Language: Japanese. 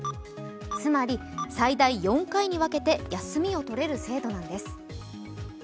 つまり、最大４回に分けて休みを取れる制度なんです。